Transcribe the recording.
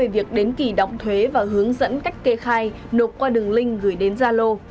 việc đến kỳ đóng thuế và hướng dẫn cách kê khai nộp qua đường link gửi đến gia lô